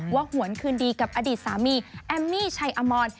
หวนคืนดีกับอดีตสามีแอมมี่ชัยอมร